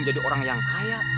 menjadi orang yang kaya